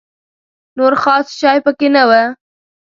نور خاص شی په کې نه و.